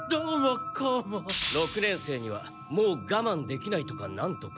「六年生にはもうガマンできない」とかなんとか。